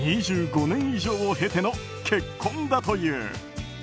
２５年以上を経ての結婚だという。